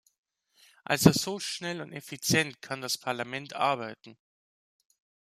Also so schnell und effizient kann das Parlament arbeiten.